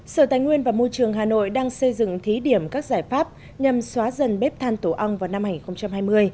sở tài nguyên và môi trường hà nội đang xây dựng thí điểm các giải pháp nhằm xóa dần bếp than tổ ong vào năm hai nghìn hai mươi